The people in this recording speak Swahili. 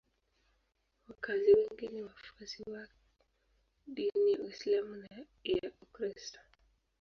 Wakazi wengi ni wafuasi wa dini ya Uislamu na ya Ukristo.